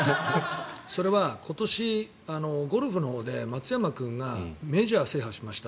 それは今年、ゴルフのほうで松山君がメジャー制覇しました。